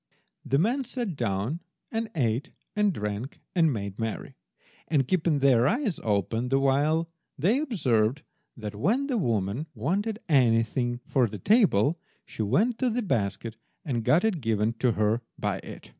The men sat down, and ate and drank and made merry; and, keeping their eyes open the while, they observed that when the woman wanted anything for the table she went to the basket and got it given to her by it.